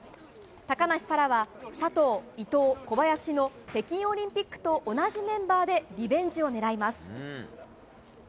高梨沙羅は佐藤、伊藤、小林の北京オリンピックと同じメンバーでリベンジを狙います。